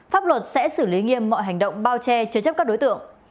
pháp luật sẽ xử lý nghiêm mọi hành động bao che chứa chấp các đối tượng